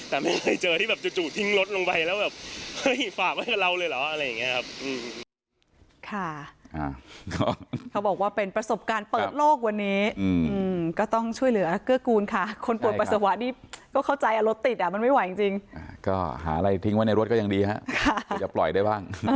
แต่ไม่เคยเจอที่แบบจู่ทิ้งรถลงไปแล้วแบบเฮ้ยฝากไว้กับเราเลยเหรออะไรอย่างนี้ครับ